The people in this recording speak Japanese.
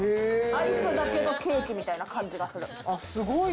アイスだけどケーキみたいな感じがする。